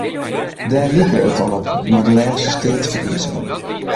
Dêr like it al op nei de lêste steateferkiezingen.